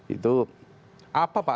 itu apa pak